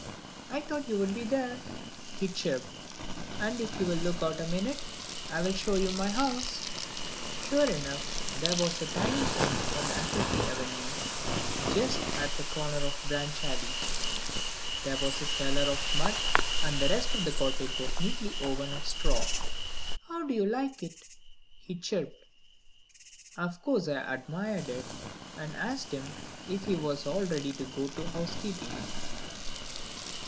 "I thought you'd be there," he chirped; "and if you will look out a minute, I'll show you my house." Sure enough, there was a tiny home on Apple tree Avenue, just at the corner of Branch Alley. There was a cellar of mud, and the rest of the cottage was neatly woven of straw. "How do you like it?" he chirped. Of course I admired it, and asked him if he was all ready to go to housekeeping.